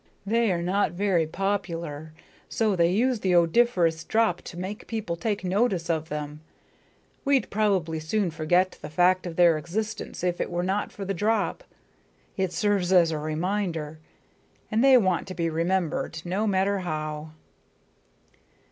They are not very popular, so they use the odoriferous drop to make people take notice of them. We'd probably soon forget the fact of their existence if it were not for the drop: it serves as a reminder. And they want to be remembered, no matter how."